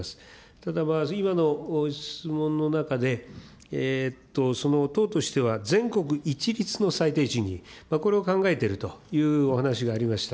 ただ、まず今の質問の中で、党としては、全国一律の最低賃金、これを考えているというお話がありました。